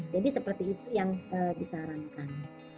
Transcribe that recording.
jadi seperti itu yang disarankan